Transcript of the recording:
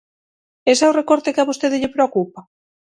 ¿Ese é o recorte que a vostede lle preocupa?